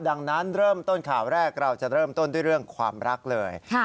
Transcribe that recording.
ดังนั้นเริ่มต้นข่าวแรกเราจะเริ่มต้นด้วยเรื่องความรักเลย